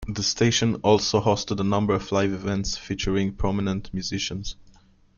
The station also hosted a number of live events featuring prominent musicians.